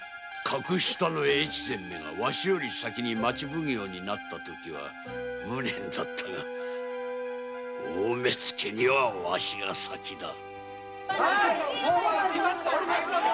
格下の大岡めがわしより先に町奉行になった時は無念だったが大目付にはわしが先だ。